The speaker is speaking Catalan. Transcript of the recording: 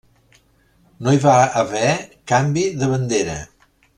No hi va haver canvi de bandera.